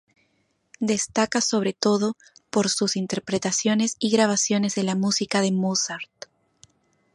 Destaca, sobre todo, por sus interpretaciones y grabaciones de la música de Mozart.